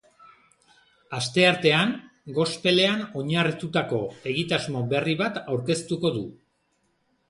Asteartean, gospelean oinarritutako egitasmo berri bat aurkeztuko du.